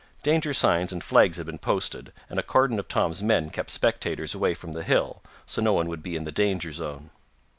Danger signs and flags had been posted, and a cordon of Tom's men kept spectators away from the hill, so no one would be in the danger zone.